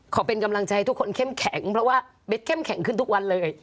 เป็นกำลังใจให้ทุกคนเข้มแข็งเพราะว่าเบสเข้มแข็งขึ้นทุกวันเลย